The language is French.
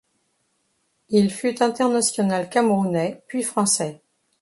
Il fut international camerounais puis français.